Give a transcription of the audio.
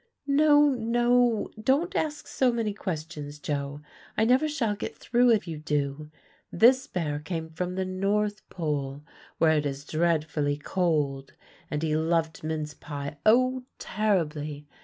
"No, no don't ask so many questions, Joe; I never shall get through if you do. This bear came from the North Pole, where it is dreadfully cold. And he loved mince pie, oh, terribly!